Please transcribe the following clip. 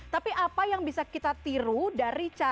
tapi apa yang bisa kita tiru dari cara